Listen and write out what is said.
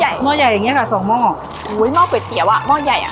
หม้อใหญ่อย่างเงี้ค่ะสองหม้ออุ้ยหม้อก๋วยเตี๋ยวอ่ะหม้อใหญ่อ่ะ